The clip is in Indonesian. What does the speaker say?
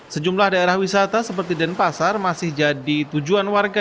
sejumlah daerah wisata seperti denpasar masih jadi tujuan warga